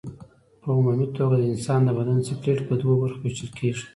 په عمومي توګه د انسان د بدن سکلېټ په دوو برخو ویشل کېږي.